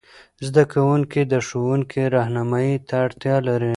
زده کوونکي د ښوونکې رهنمايي ته اړتیا لري.